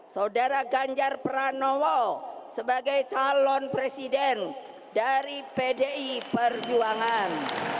saudara ganjar pranowo sebagai calon presiden dari pdi perjuangan